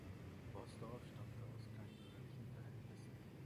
Boßdorf stammte aus kleinbürgerlichen Verhältnissen.